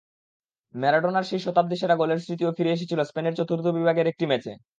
ম্যারাডোনার সেই শতাব্দী-সেরা গোলের স্মৃতিও ফিরে এসেছিল স্পেনের চতুর্থ বিভাগের একটি ম্যাচে।